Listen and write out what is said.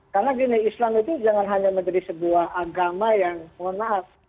karena begini islam itu jangan hanya menjadi sebuah agama yang mohon maaf